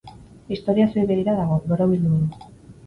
Historia zuei begira dago, borobildu du.